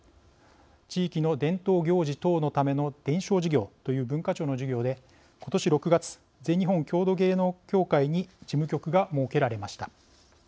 地域の伝統行事等のための伝承事業という文化庁の事業で今年６月、全日本郷土芸能協会に事務局が設けられました。